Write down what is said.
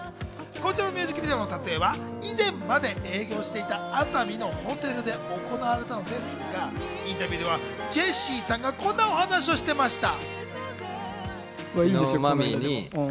こちらのミュージックビデオの撮影は以前まで営業していた熱海のホテルで行われたのですが、インタビューではジェシーさんがこんなお話をしていました。